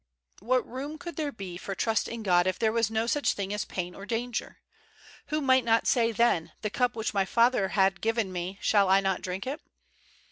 What room could there be for trust in God if there was no such thing as pain or danger ? Who might not say then, '' The cup which my Father had given me, shall I not drink it?"